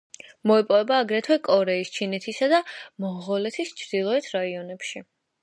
მოიპოვება აგრეთვე კორეის, ჩინეთისა და მონღოლეთის ჩრდილოეთ რაიონებში.